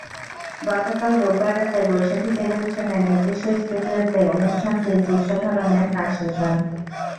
গতকাল রোববার রাতে বৈশাখী টেলিভিশনের নিজস্ব স্টুডিওতে অনুষ্ঠানটির দৃশ্যধারণের কাজ শেষ হয়।